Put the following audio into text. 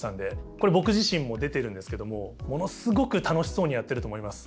これ僕自身も出てるんですけどもものすごく楽しそうにやってると思います。